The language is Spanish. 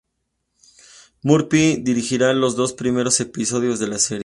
Murphy dirigirá los dos primeros episodios de la serie.